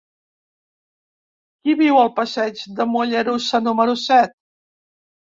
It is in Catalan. Qui viu al passeig de Mollerussa número set?